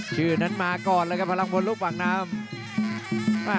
ชื่อนั้นมาก่อนเลยครับพลังบนลูกปากน้ำ